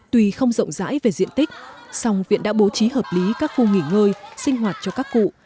tuy không rộng rãi về diện tích song viện đã bố trí hợp lý các khu nghỉ ngơi sinh hoạt cho các cụ